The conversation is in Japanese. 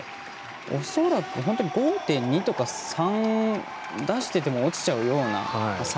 恐らく５．２とか５．３出してても、落ちちゃうような。